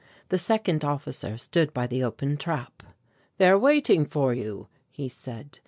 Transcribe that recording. The second officer stood by the open trap. "They are waiting for you," he said.